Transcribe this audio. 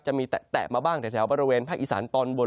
จะมีแตะมาบ้างแถวบริเวณภาคอีสานตอนบน